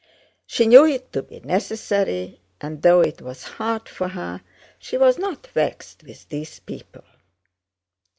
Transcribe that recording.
She knew it to be necessary, and though it was hard for her she was not vexed with these people.